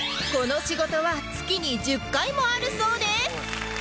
この仕事は月に１０回もあるそうです